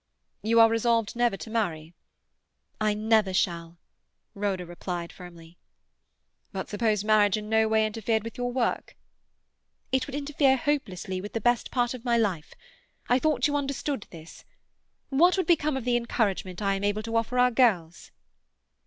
"You are resolved never to marry?" "I never shall," Rhoda replied firmly. "But suppose marriage in no way interfered with your work?" "It would interfere hopelessly with the best part of my life. I thought you understood this. What would become of the encouragement I am able to offer our girls?"